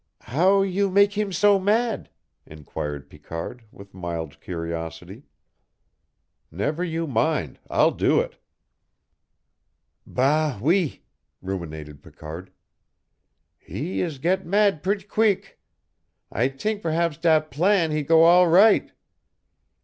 "How you mak' eet him so mad?" inquired Picard, with mild curiosity. "Never you mind I'll do it." "Bâ oui," ruminated Picard, "He is get mad pret' queeck. I t'ink p'raps dat plan he go all right.